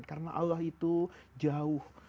karena allah itu jauh